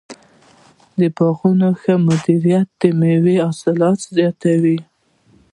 د باغونو ښه مدیریت د مېوو حاصل زیاتوي.